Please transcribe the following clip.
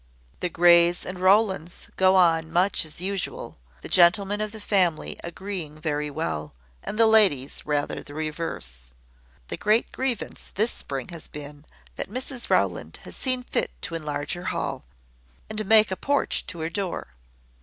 "The Greys and Rowlands go on much as usual, the gentlemen of the family agreeing very well, and the ladies rather the reverse. The great grievance this spring has been, that Mrs Rowland has seen fit to enlarge her hall, and make a porch to her door.